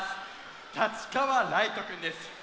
立川ライトくんです。